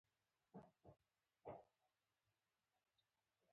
د جهاني صاحب کور ته ملګري راغلي وو.